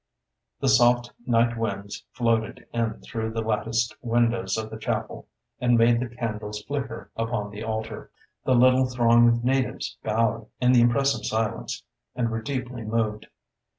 The soft night winds floated in through the latticed windows of the chapel, and made the candles flicker upon the altar. The little throng of natives bowed in the impressive silence, and were deeply moved.